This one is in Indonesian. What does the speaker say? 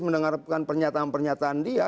mendengarkan pernyataan pernyataan dia